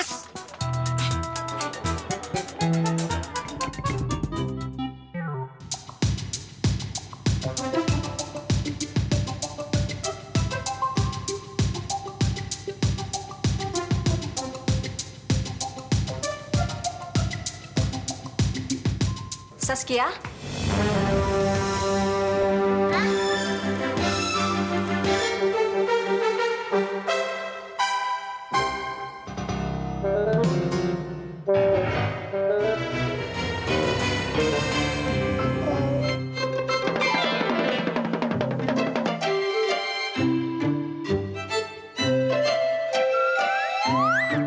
cari sarapan ma